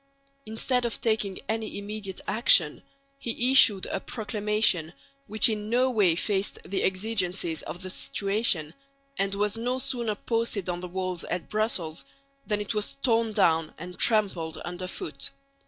Instead of taking any immediate action he issued a proclamation, which in no way faced the exigencies of the situation, and was no sooner posted on the walls at Brussels than it was torn down and trampled underfoot.